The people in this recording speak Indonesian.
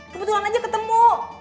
kebetulan aja ketemu